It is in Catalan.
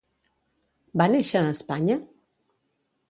Va néixer a Espanya?